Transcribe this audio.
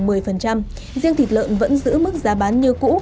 các mặt hàng thị trường một mươi riêng thịt lợn vẫn giữ mức giá bán như cũ